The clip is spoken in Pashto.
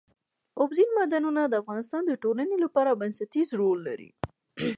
اوبزین معدنونه د افغانستان د ټولنې لپاره بنسټيز رول لري.